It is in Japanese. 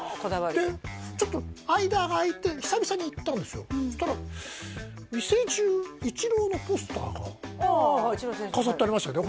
でちょっと間が空いて久々に行ったんですよそしたら店中イチローのポスターが飾ってありましたよね